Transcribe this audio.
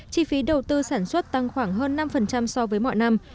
chi phí đầu tư sản xuất tăng khoảng hơn năm so với mọi năm